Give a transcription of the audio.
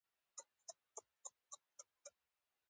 حضرت حفصه چې د حضرت عمر فاروق لور وه ورغله.